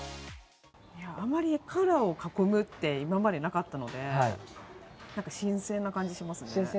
あまりカラーを囲むって今までなかったので何か新鮮な感じがしますね。